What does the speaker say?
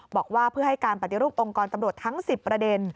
บอกว่าเพื่อให้การปฏิรูปองค์กรตำรวจทั้ง๑๐ประเด็น